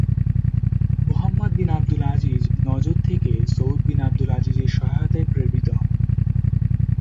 Muhammad bin Abdul Aziz Najd থেকে Saud bin Abdul আজিজের সহায়তায় প্রেরিত হন।